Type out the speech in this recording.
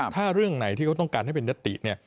ถ้าเรื่องไหนที่เขาต้องการให้เป็นยติเนี่ย